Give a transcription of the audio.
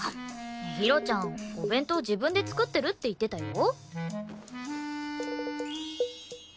ひろちゃんお弁当自分で作ってるって言ってたよ。